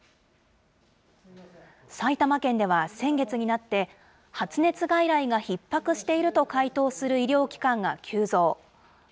埼玉県では先月になって、発熱外来がひっ迫していると回答する医療機関が急増。